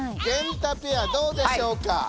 ゲンタペアどうでしょうか？